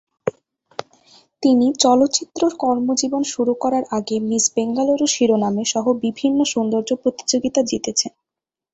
তিনি তার চলচ্চিত্র কর্মজীবন শুরু করার আগে মিস বেঙ্গালুরু শিরোনামে সহ বিভিন্ন সৌন্দর্য প্রতিযোগিতা জিতেছে।